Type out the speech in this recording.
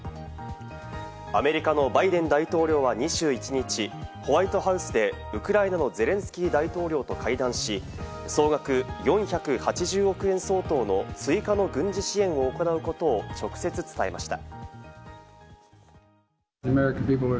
アメリカのバイデン大統領は２１日、ホワイトハウスでウクライナのゼレンスキー大統領と会談し、総額４８０億円相当の追加の軍事支援を行うことを直接、伝えました。